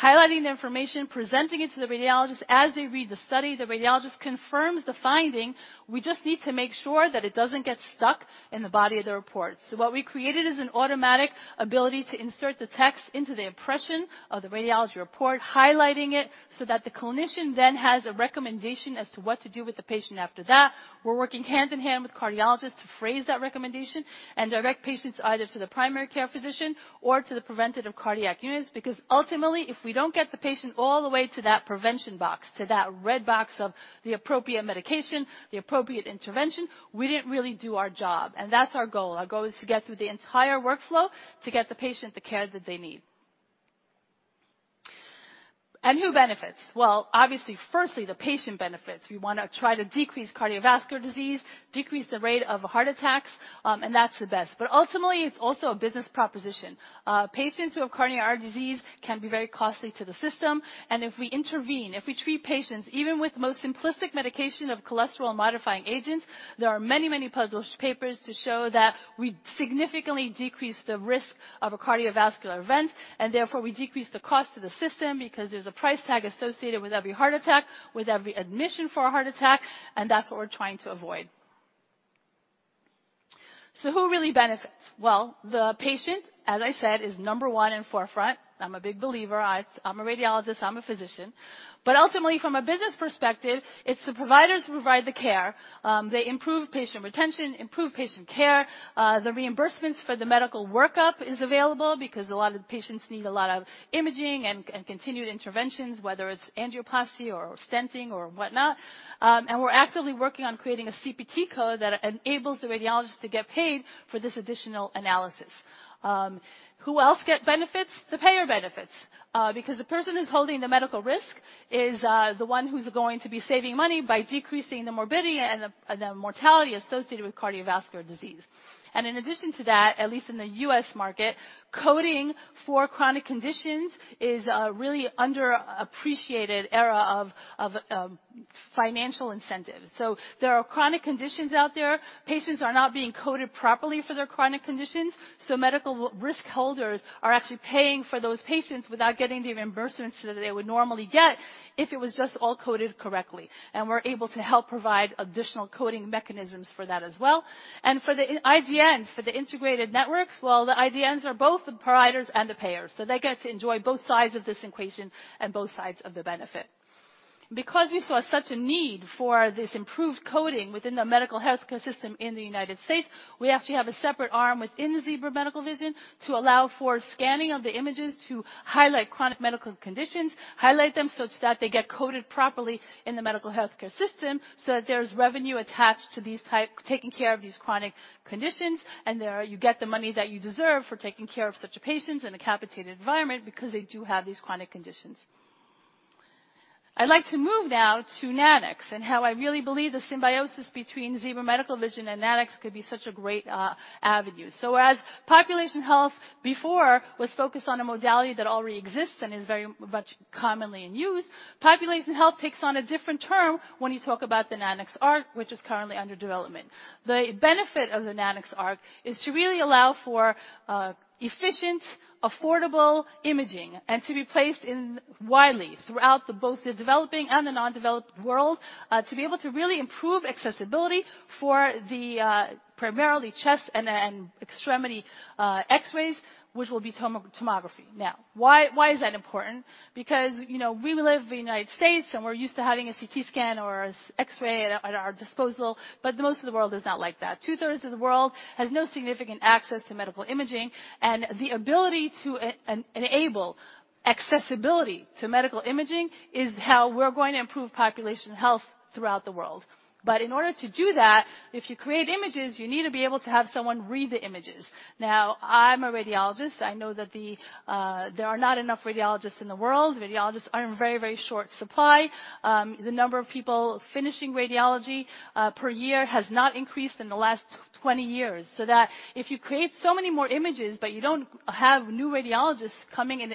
highlighting the information, presenting it to the radiologist as they read the study. The radiologist confirms the finding. We just need to make sure that it doesn't get stuck in the body of the report. What we created is an automatic ability to insert the text into the impression of the radiology report, highlighting it so that the clinician then has a recommendation as to what to do with the patient after that. We're working hand in hand with cardiologists to phrase that recommendation and direct patients either to the primary care physician or to the preventative cardiac units, because ultimately, if we don't get the patient all the way to that prevention box, to that red box of the appropriate medication, the appropriate intervention, we didn't really do our job, and that's our goal. Our goal is to get through the entire workflow to get the patient the care that they need. Who benefits? Well, obviously, firstly, the patient benefits. We wanna try to decrease cardiovascular disease, decrease the rate of heart attacks, and that's the best. Ultimately, it's also a business proposition. Patients who have coronary artery disease can be very costly to the system, and if we intervene, if we treat patients, even with the most simplistic medication of cholesterol-modifying agents, there are many, many published papers to show that we significantly decrease the risk of a cardiovascular event, and therefore we decrease the cost to the system because there's a price tag associated with every heart attack, with every admission for a heart attack, and that's what we're trying to avoid. Who really benefits? Well, the patient, as I said, is number one and forefront. I'm a big believer. I'm a radiologist, I'm a physician. But ultimately, from a business perspective, it's the providers who provide the care. They improve patient retention, improve patient care. The reimbursements for the medical workup is available because a lot of the patients need a lot of imaging and continued interventions, whether it's angioplasty or stenting or whatnot. We're actively working on creating a CPT code that enables the radiologist to get paid for this additional analysis. Who else get benefits? The payer benefits because the person who's holding the medical risk is the one who's going to be saving money by decreasing the morbidity and the mortality associated with cardiovascular disease. In addition to that, at least in the U.S. market, coding for chronic conditions is a really underappreciated era of financial incentives. There are chronic conditions out there. Patients are not being coded properly for their chronic conditions, so medical risk holders are actually paying for those patients without getting the reimbursement that they would normally get if it was just all coded correctly. We're able to help provide additional coding mechanisms for that as well. For the IDN, for the integrated networks, well, the IDNs are both the providers and the payers, so they get to enjoy both sides of this equation and both sides of the benefit. Because we saw such a need for this improved coding within the medical healthcare system in the United States, we actually have a separate arm within Zebra Medical Vision to allow for scanning of the images to highlight chronic medical conditions, highlight them such that they get coded properly in the medical healthcare system, so that there's revenue attached to these type. taking care of these chronic conditions, and there you get the money that you deserve for taking care of such patients in a capitated environment because they do have these chronic conditions. I'd like to move now to Nanox and how I really believe the symbiosis between Zebra Medical Vision and Nanox could be such a great avenue. As population health before was focused on a modality that already exists and is very much commonly in use, population health takes on a different term when you talk about the Nanox.ARC, which is currently under development. The benefit of the Nanox.ARC is to really allow for efficient, affordable imaging and to be placed in both the developing and the non-developed world, to be able to really improve accessibility for the primarily chest and extremity X-rays, which will be tomosynthesis. Now, why is that important? Because, you know, we live in the United States, and we're used to having a CT scan or X-ray at our disposal, but most of the world is not like that. 2/3 of the world has no significant access to medical imaging, and the ability to enable accessibility to medical imaging is how we're going to improve population health throughout the world. But in order to do that, if you create images, you need to be able to have someone read the images. Now, I'm a radiologist. I know that there are not enough radiologists in the world. Radiologists are in very, very short supply. The number of people finishing radiology per year has not increased in the last 20 years, so that if you create so many more images but you don't have new radiologists coming in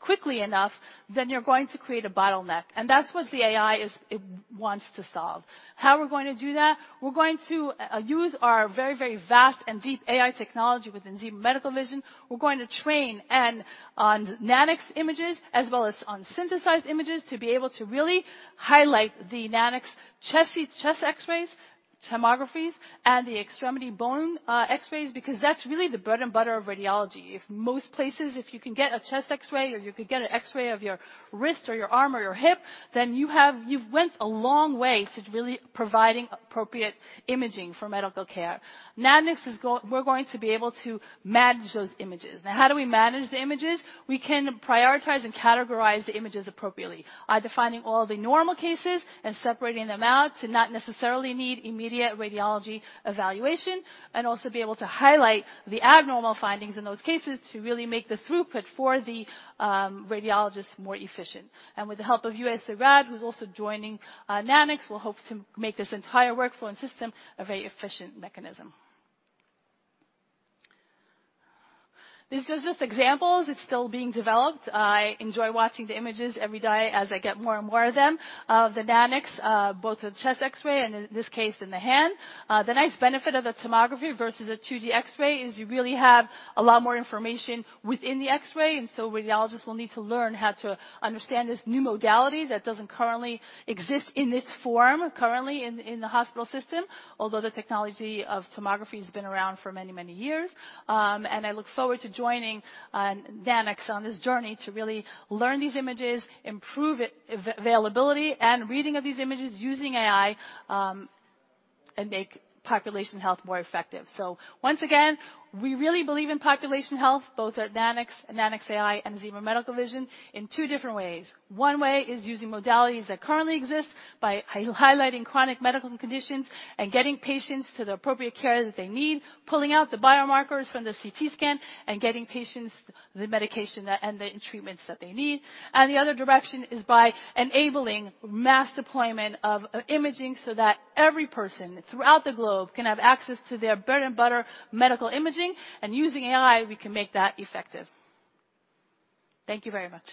quickly enough, then you're going to create a bottleneck, and that's what the AI is. It wants to solve. How we're going to do that, we're going to use our very, very vast and deep AI technology within Zebra Medical Vision. We're going to train on Nanox images as well as on synthesized images to be able to really highlight the Nanox chest X-rays, tomosyntheses, and the extremity bone X-rays because that's really the bread and butter of radiology. If most places, if you can get a chest X-ray or you could get an X-ray of your wrist or your arm or your hip, then you've went a long way to really providing appropriate imaging for medical care. We're going to be able to manage those images. Now how do we manage the images? We can prioritize and categorize the images appropriately by defining all the normal cases and separating them out to not necessarily need immediate radiology evaluation, and also be able to highlight the abnormal findings in those cases to really make the throughput for the radiologists more efficient. With the help of USARAD, who's also joining Nanox, we'll hope to make this entire workflow and system a very efficient mechanism. This is just examples. It's still being developed. I enjoy watching the images every day as I get more and more of them of the Nanox, both the chest X-ray and in this case, in the hand. The nice benefit of the tomography versus a 2D X-ray is you really have a lot more information within the X-ray, and so radiologists will need to learn how to understand this new modality that doesn't currently exist in this form currently in the hospital system, although the technology of tomography has been around for many, many years. I look forward to joining Nanox on this journey to really learn these images, improve availability, and reading of these images using AI, and make population health more effective. Once again, we really believe in population health, both at Nanox and Nanox.AI and Zebra Medical Vision in two different ways. One way is using modalities that currently exist by highlighting chronic medical conditions and getting patients to the appropriate care that they need, pulling out the biomarkers from the CT scan and getting patients the medication that and the treatments that they need. The other direction is by enabling mass deployment of imaging so that every person throughout the globe can have access to their bread and butter medical imaging, and using AI, we can make that effective. Thank you very much.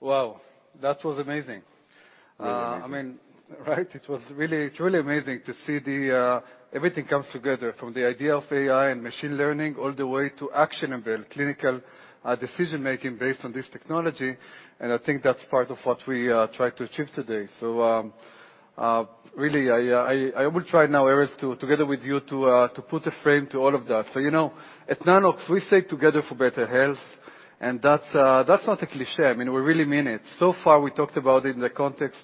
Wow. That was amazing. Really amazing. I mean, right? It's really amazing to see everything comes together from the idea of AI and machine learning all the way to actionable clinical decision-making based on this technology, and I think that's part of what we tried to achieve today. Really, I will try now, Erez, together with you, to put a frame to all of that. You know, at Nanox, we say together for better health, and that's not a cliché. I mean, we really mean it. So far, we talked about it in the context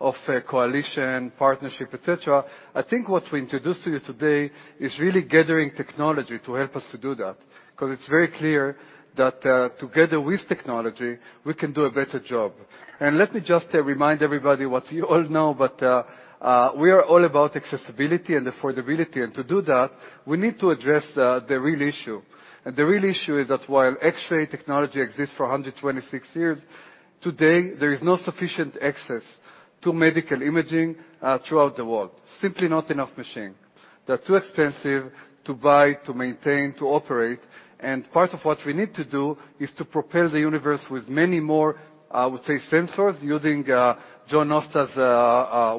of a coalition, partnership, et cetera. I think what we introduced to you today is really gathering technology to help us to do that. 'Cause it's very clear that, together with technology, we can do a better job. Let me just remind everybody what you all know, but we are all about accessibility and affordability. To do that, we need to address the real issue. The real issue is that while X-ray technology exists for 126 years, today, there is no sufficient access to medical imaging throughout the world. Simply not enough machines. They're too expensive to buy, to maintain, to operate. Part of what we need to do is to propel the universe with many more, I would say, sensors, using John Nosta's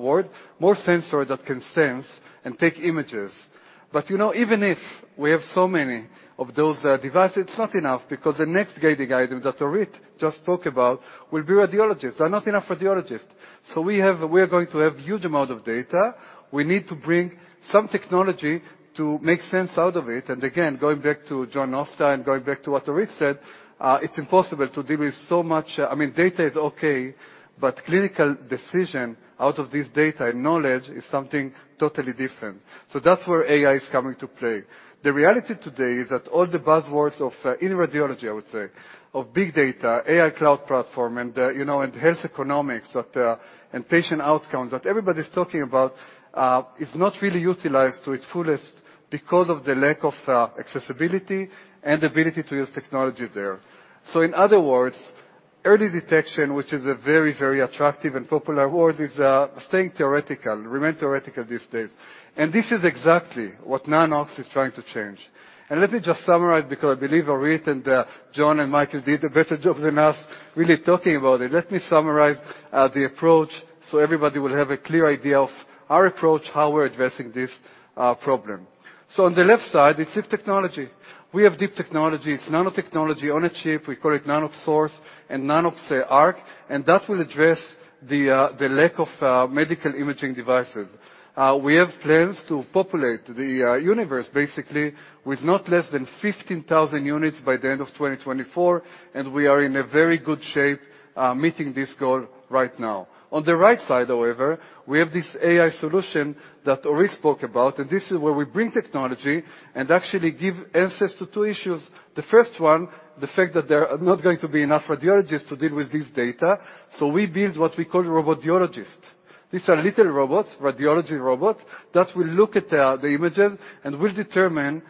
word, more sensors that can sense and take images. You know, even if we have so many of those devices, it's not enough because the next gating item that Orit just spoke about will be radiologists. There are not enough radiologists. We are going to have huge amount of data. We need to bring some technology to make sense out of it. Again, going back to John Nosta and going back to what Orit said, it's impossible to deal with so much I mean, data is okay, but clinical decision out of this data and knowledge is something totally different. That's where AI is coming to play. The reality today is that all the buzzwords of, in radiology, I would say, of big data, AI cloud platform, and you know and health economics, that and patient outcomes that everybody's talking about is not really utilized to its fullest because of the lack of accessibility and ability to use technology there. In other words, early detection, which is a very, very attractive and popular word, remains theoretical these days. This is exactly what Nanox is trying to change. Let me just summarize because I believe Orit and John and Michael did a better job than us really talking about it, the approach so everybody will have a clear idea of our approach, how we're addressing this problem. On the left side, it's deep technology. We have deep technology. It's nanotechnology on a chip. We call it Nanox.SOURCE and Nanox.ARC, and that will address the lack of medical imaging devices. We have plans to populate the universe basically with not less than 15,000 units by the end of 2024, and we are in a very good shape meeting this goal right now. On the right side, however, we have this AI solution that Orit spoke about, and this is where we bring technology and actually give answers to two issues. The first one, the fact that there are not going to be enough radiologists to deal with this data. We build what we call robo-radiologist. These are little robots, radiology robot, that will look at the images and will determine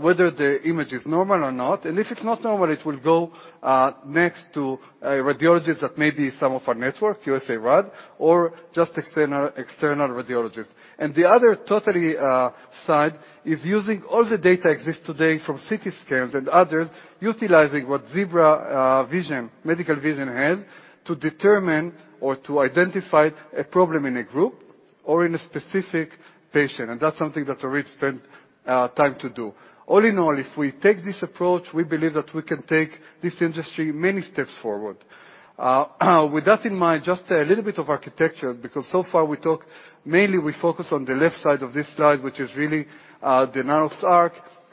whether the image is normal or not. If it's not normal, it will go next to a radiologist that may be some of our network, USARAD, or just external radiologist. The other total side is using all the data exist today from CT scans and others, utilizing what Zebra Medical Vision has to determine or to identify a problem in a group or in a specific patient. That's something that Orit spent time to do. All in all, if we take this approach, we believe that we can take this industry many steps forward. With that in mind, just a little bit of architecture, because so far we talk, mainly we focus on the left side of this slide, which is really the Nanox.ARC.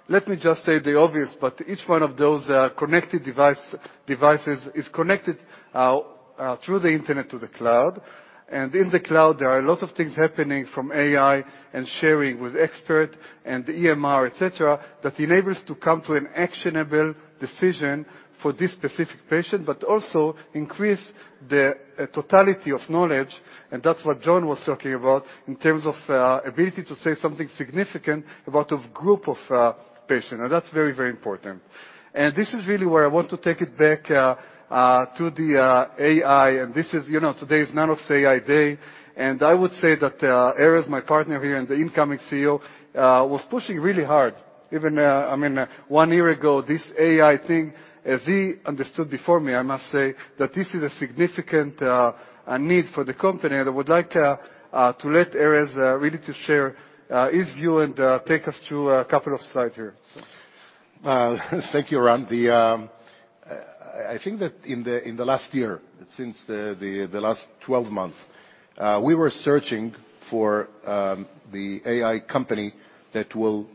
Let me just say the obvious, but each one of those connected devices is connected through the internet to the cloud. In the cloud, there are a lot of things happening from AI and sharing with expert and EMR, et cetera, that enables to come to an actionable decision for this specific patient, but also increase the totality of knowledge. That's what John was talking about in terms of ability to say something significant about a group of patients. That's very, very important. This is really where I want to take it back to the AI. This is, you know, today is Nanox.AI day. I would say that Erez, my partner here, and the incoming CEO was pushing really hard. Even, I mean, one year ago, this AI thing, as he understood before me, I must say, that this is a significant need for the company. I would like to let Erez really to share his view and take us through a couple of slides here. Thank you, Ran. I think that in the last 12 months we were searching for the AI company that will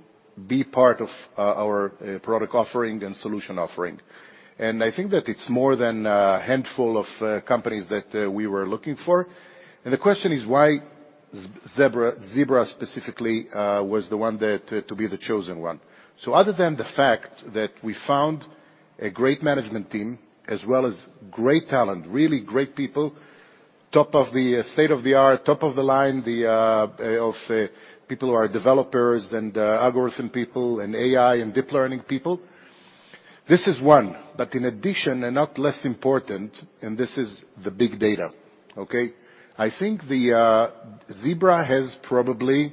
be part of our product offering and solution offering. I think that it's more than a handful of companies that we were looking for. The question is why Zebra specifically was the one to be the chosen one. Other than the fact that we found a great management team as well as great talent, really great people, top of the state-of-the-art, top of the line, of people who are developers and algorithm people and AI and deep learning people, this is one. In addition, not less important, this is the big data, okay? I think the Zebra has probably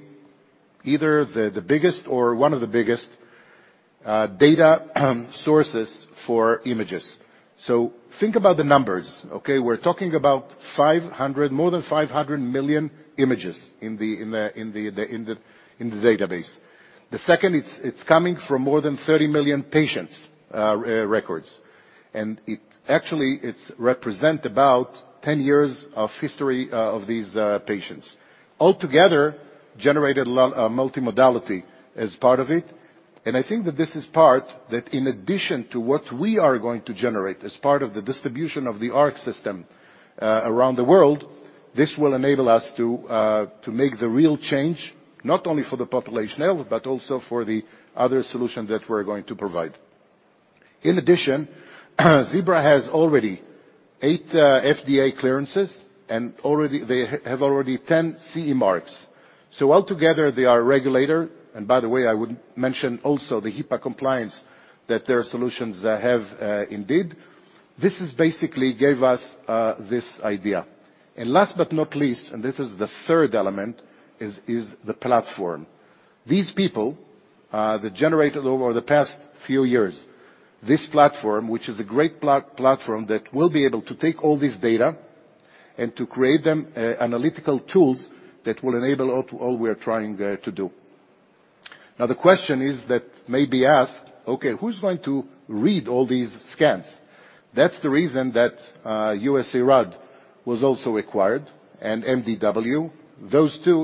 either the biggest or one of the biggest data sources for images. So think about the numbers, okay? We're talking about more than 500 million images in the database. Second, it's coming from more than 30 million patients records. It actually represents about 10 years of history of these patients. Altogether generated multimodality as part of it. I think that this is part that in addition to what we are going to generate as part of the distribution of the ARC system around the world, this will enable us to make the real change, not only for the population health, but also for the other solution that we're going to provide. In addition, Zebra has already eight FDA clearances and already they have 10 CE marks. Altogether, they are regulated. By the way, I would mention also the HIPAA compliance that their solutions have indeed. This basically gave us this idea. Last but not least, this is the third element is the platform. These people that generated over the past few years this platform, which is a great platform that will be able to take all this data and to create them analytical tools that will enable all we are trying to do. Now, the question that may be asked, okay, who's going to read all these scans? That's the reason that USARAD was also acquired, and MDW.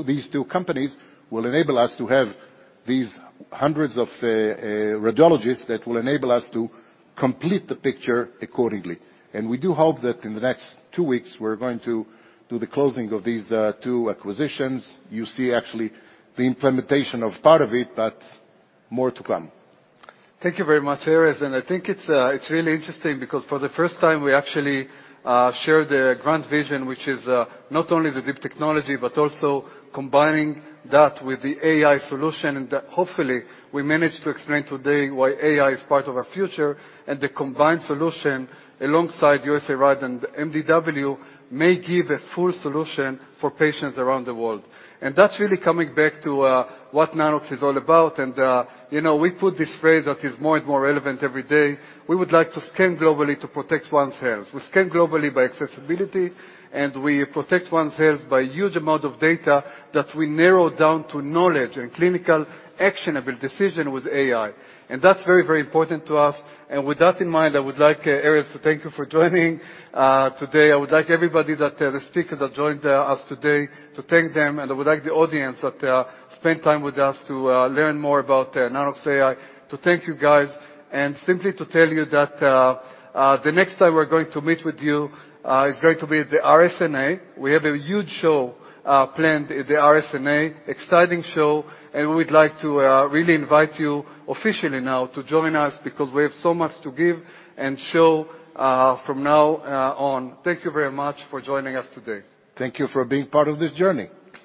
These two companies will enable us to have these hundreds of radiologists that will enable us to complete the picture accordingly. We do hope that in the next two weeks, we're going to do the closing of these two acquisitions. You see actually the implementation of part of it, but more to come. Thank you very much, Erez. I think it's really interesting because for the first time, we actually shared a grand vision, which is not only the deep technology, but also combining that with the AI solution, and that hopefully we managed to explain today why AI is part of our future. The combined solution alongside USARAD and MDW may give a full solution for patients around the world. That's really coming back to what Nanox is all about. You know, we put this phrase that is more and more relevant every day. We would like to scan globally to protect one's health. We scan globally by accessibility, and we protect one's health by huge amount of data that we narrow down to knowledge and clinical actionable decision with AI. That's very, very important to us. With that in mind, I would like, Erez, to thank you for joining today. I would like everybody that the speakers that joined us today, to thank them. I would like the audience that spent time with us to learn more about Nanox AI, to thank you guys, and simply to tell you that the next time we're going to meet with you is going to be at the RSNA. We have a huge show planned at the RSNA, exciting show, and we would like to really invite you officially now to join us because we have so much to give and show from now on. Thank you very much for joining us today. Thank you for being part of this journey.